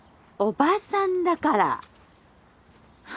おばさんだから。